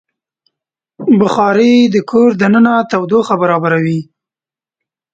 بخاري د کور دننه تودوخه برابروي.